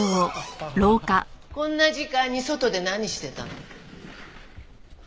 こんな時間に外で何してたの？